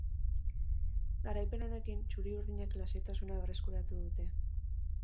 Garaipen honekin, txuri-urdinek lasaitasuna berreskuratu dute.